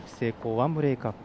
１ブレークアップ。